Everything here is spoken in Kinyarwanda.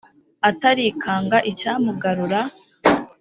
atarikanga icyamugarura